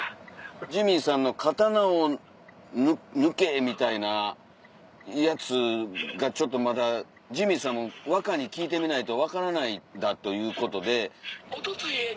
ジミーさんの「刀を抜け」みたいなやつがちょっとまだジミーさんも若に聞いてみないと分からないんだということで。